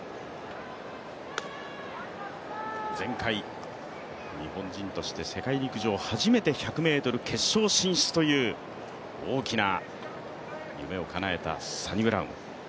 前回、日本人として世界陸上初めて決勝進出という大きな夢をかなえたサニブラウン。